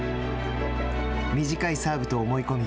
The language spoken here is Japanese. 短いサーブと思い込み